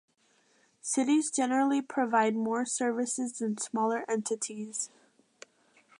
Cities generally provide more services than smaller entities.